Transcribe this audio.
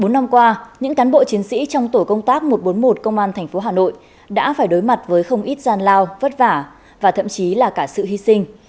bốn năm qua những cán bộ chiến sĩ trong tổ công tác một trăm bốn mươi một công an tp hà nội đã phải đối mặt với không ít gian lao vất vả và thậm chí là cả sự hy sinh